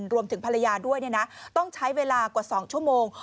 รวมถึงภรรยาด้วยต้องใช้เวลากว่า๒ชั่วโมง